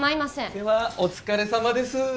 ではお疲れさまですー